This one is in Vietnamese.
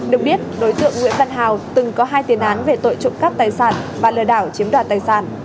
được biết đối tượng nguyễn văn hào từng có hai tiền án về tội trộm cắp tài sản và lừa đảo chiếm đoạt tài sản